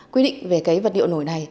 quy định về vật liệu nổi này